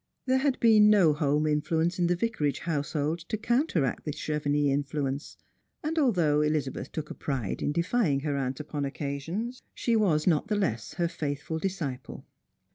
There had been no home influence in the Vicarage household to counteract the Chevenix influence, and although Elizabeth took a pride in defying her aunt upon occasions, she was not the less her faithful disciple.